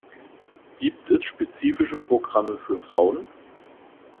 Gibt es spezifische Programme für Frauen?